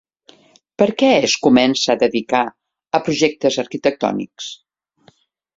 Per què es comença a dedicar a projectes arquitectònics?